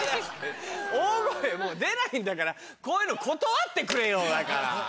大声出ないんだからこういうの断ってくれよだから。